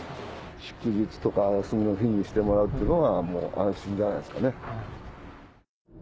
祝日とか休みの日にしてもらうっていうのは安心じゃないですかね。